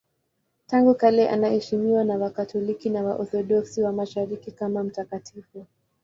Tangu kale anaheshimiwa na Wakatoliki na Waorthodoksi wa Mashariki kama mtakatifu.